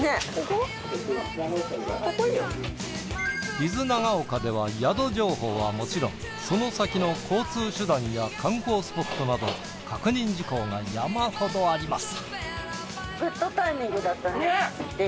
伊豆長岡では宿情報はもちろんその先の交通手段や観光スポットなど確認事項が山ほどあります。